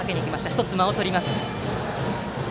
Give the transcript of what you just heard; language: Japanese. １つ、間をとりました。